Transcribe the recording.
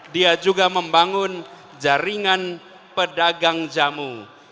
dia juga membangun jaringan pedagang jamu